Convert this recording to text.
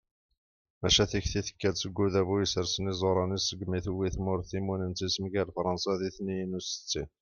maca tikti tekka-d seg udabu yessersen iẓuṛan-is segmi tewwi tmurt timunent-is mgal fṛansa di tniyen u settin